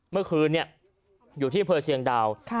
เมื่อคืนเนี่ยอยู่ที่พลเชียงดาวค่ะ